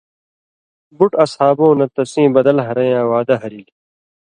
بُٹ اصحابوں نہ تسیں بدل ہرَیں یاں وعدہ ہَرِلیۡ؛